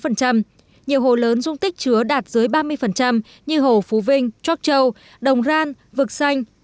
nhiều hồ lớn dung tích chứa đạt dưới ba mươi như hồ phú vinh tróc châu đồng ran vực xanh